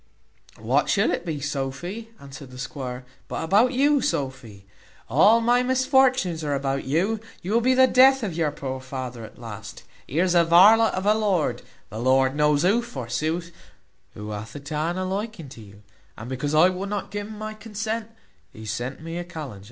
"What should it be, Sophy," answered the squire, "but about you, Sophy? All my misfortunes are about you; you will be the death of your poor father at last. Here's a varlet of a lord, the Lord knows who, forsooth! who hath a taan a liking to you, and because I would not gi un my consent, he sent me a kallenge.